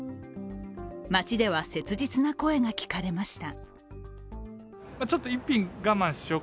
街では、切実な声が聞かれました。